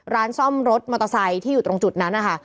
ร้านซ่อมรถมอเตอร์ไซค์ที่อยู่ตรงจุดนั้นนะคะ